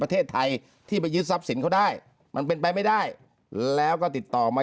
ประเทศไทยที่ไปยึดทรัพย์สินเขาได้มันเป็นไปไม่ได้แล้วก็ติดต่อมา